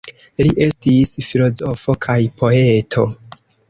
Li estis filozofo kaj poeto.